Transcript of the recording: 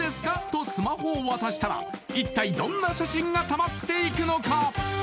とスマホを渡したら一体どんな写真がたまっていくのか？